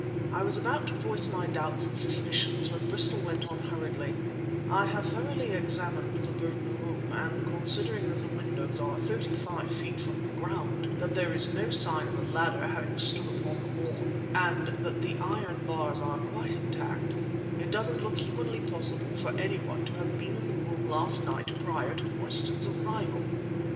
I was about to voice my doubts and suspicions when Bristol went on hurriedly— "I have thoroughly examined the Burton Room, and considering that the windows are thirty feet from the ground, that there is no sign of a ladder having stood upon the lawn, and that the iron bars are quite intact, it doesn't look humanly possible for any one to have been in the room last night prior to Mostyn's arrival!"